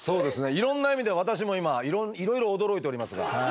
いろんな意味で私も今いろいろ驚いておりますが。